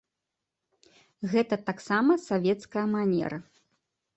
Гэта таксама савецкая манера.